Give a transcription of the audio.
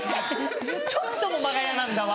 ちょっとの間が嫌なんだわ。